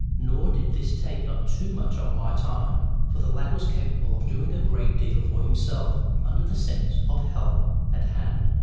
Nor did this take up too much of my time, for the lad was capable of doing a great deal for himself under the sense of help at hand.